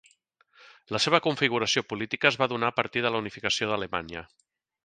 La seva configuració política es va donar a partir de la unificació d'Alemanya.